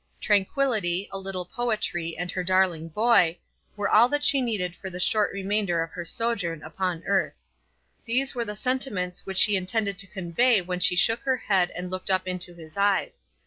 Tranquillity, a little poetry, and her darling boy, were all that she needed for the short remainder of her sojourn upon earth. These were the sentiments which she intended to convey when she shook her head and looked up into his eyes.